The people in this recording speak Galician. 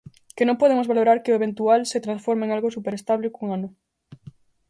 Que non podemos valorar que o eventual se transforma en algo superestable cun ano.